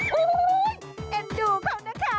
โอ้โฮเอ็นดูครับนะคะ